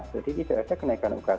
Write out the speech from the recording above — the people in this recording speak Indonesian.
jadi tidak ada kenaikan ukt